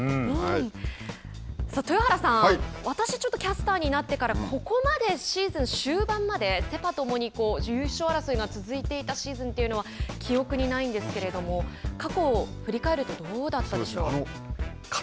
豊原さん私がキャスターになってからここまで、シーズン終盤までセ・パともに優勝争いが続いていたシーズンは記憶にないんですけれども過去振り返るとどうだったでしょう？